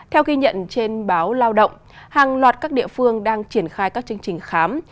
theo ghi nhận trên báo lao động hàng loạt các địa phương đang triển khai các chương trình khám